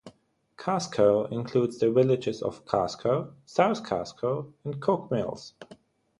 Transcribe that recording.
Casco includes the villages of Casco, South Casco and Cook Mills.